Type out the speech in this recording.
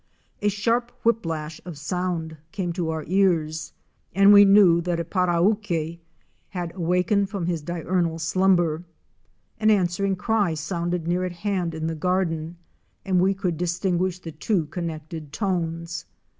A sharp whip lash of sound came to our ears and we knew that a Parauque '® had awakened from his diurnal slumber. An answering cry sounded near at hand in the garden and we could distinguish the two connected tones.